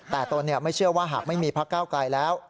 แต่ตนไม่เชื่อว่าหากไม่มีพักเก้าไกลแล้ว